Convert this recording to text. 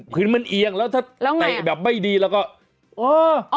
พื้นมันเอียงแล้วถ้าเตะแบบไม่ดีแล้วก็เออ